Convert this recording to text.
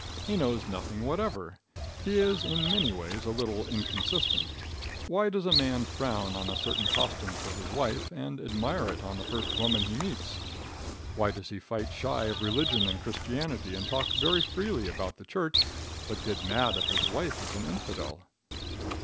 He knows nothing whatever. He is in many ways a little inconsistent. Why does a man frown on a certain costume for his wife, and admire it on the first woman he meets? Why does he fight shy of religion and Christianity and talk very freely about the church, but get mad if his wife is an infidel?